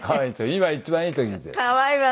今一番いい時で。